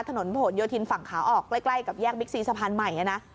ถนนผลโยธินฝั่งขาออกใกล้กับแยกบิ๊กซีสะพานใหม่นะ